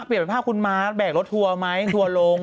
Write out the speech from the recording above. ก็เปลี่ยนภาพของคุณมาร์สแบกรถทัวร์ไหมทัวร์ลง